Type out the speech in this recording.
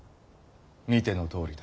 見てのとおりだ。